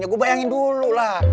ya gue bayangin dulu lah